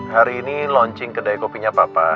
hari ini launching kedai kopinya papa